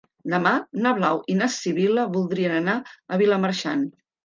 Demà na Blau i na Sibil·la voldrien anar a Vilamarxant.